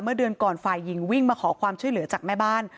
เดือนก่อนฝ่ายหญิงวิ่งมาขอความช่วยเหลือจากแม่บ้าน